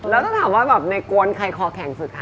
แล้วถ้าถามว่าแบบในกวนใครคอแข็งสุดคะ